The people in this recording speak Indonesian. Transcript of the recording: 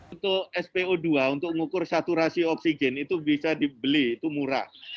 untuk spo dua untuk mengukur saturasi oksigen itu bisa dibeli itu murah